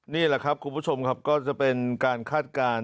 นี่แหละครับคุณผู้ชมครับก็จะเป็นการคาดการณ์